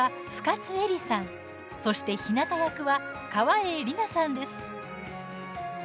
そしてひなた役は川栄李奈さんです。